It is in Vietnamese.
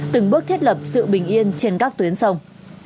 từng bước thiết lập sự bình yên trên các tuyến sông